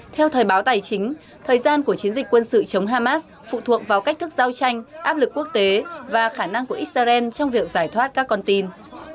theo thời báo tài chính thời gian của chiến dịch quân sự chống hamas phụ thuộc vào cách thức giao tranh áp lực quốc tế và khả năng của israel trong việc giải thoát các con tin